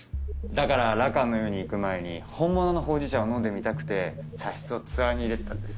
だかららかんの湯に行く前に本物のほうじ茶を飲んでみたくて茶室をツアーに入れてたんです。